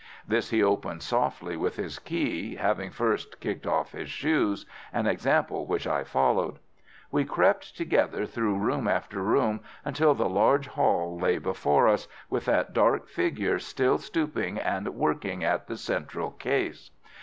This he opened softly with his key, having first kicked off his shoes, an example which I followed. We crept together through room after room, until the large hall lay before us, with that dark figure still stooping and working at the central case.